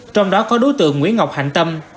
trong đó có đối tượng nguyễn ngọc hành tâm